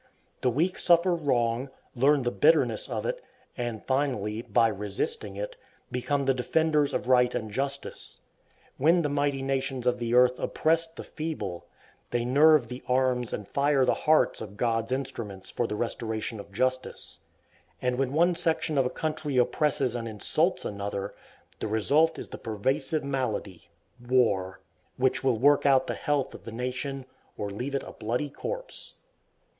The weak suffer wrong, learn the bitterness of it, and finally, by resisting it, become the defenders of right and justice. When the mighty nations of the earth oppress the feeble, they nerve the arms and fire the hearts of God's instruments for the restoration of justice; and when one section of a country oppresses and insults another, the result is the pervasive malady, war! which will work out the health of the nation, or leave it a bloody corpse.